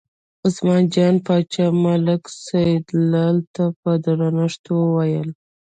عثمان جان باچا ملک سیدلال ته په درنښت وویل.